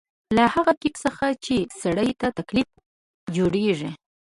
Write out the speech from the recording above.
له هغه کېک څخه چې سړي ته تکلیف جوړېږي.